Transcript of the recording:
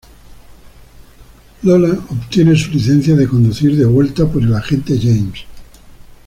Lola obtiene su licencia de conducir de vuelta por el agente James.